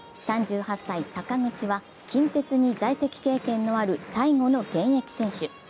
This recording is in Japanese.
３８歳、坂口は近鉄に在籍経験のある最後の現役選手。